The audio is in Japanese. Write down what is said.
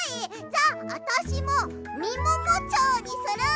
じゃああたしも「みももチョウ」にする！